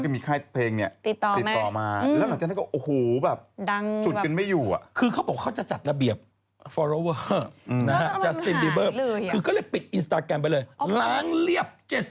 ที่ตามหน้าเสียดาย